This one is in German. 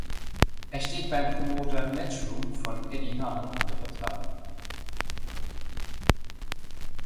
Er steht beim Promoter "Matchroom" von Eddie Hearn unter Vertrag.